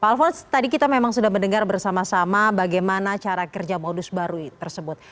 pak alfons tadi kita memang sudah mendengar bersama sama bagaimana cara kerja modus baru tersebut